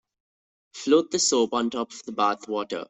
Float the soap on top of the bath water.